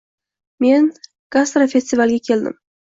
Men gastrofestivalga keldim